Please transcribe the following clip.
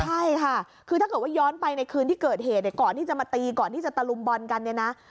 ใช่ค่ะคือถ้าเกิดว่าย้อนไปในคืนที่เกิดเหตุเนี่ยก่อนที่จะมาตีก่อนที่จะตะลุมบอลกันเนี่ยนะ